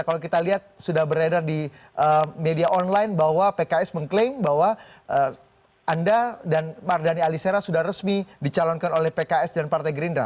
kalau kita lihat sudah beredar di media online bahwa pks mengklaim bahwa anda dan mardhani alisera sudah resmi dicalonkan oleh pks dan partai gerindra